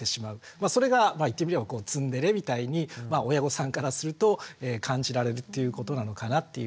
それが言ってみればツンデレみたいに親御さんからすると感じられるっていうことなのかなっていう気がします。